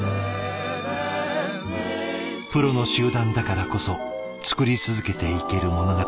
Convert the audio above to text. プロの集団だからこそ作り続けていける物語がある。